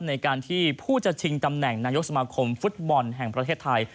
ในการที่ผู้จะชิงตำแหน่งนายกสมาคมฟุตบอลแห่งประเทศไทย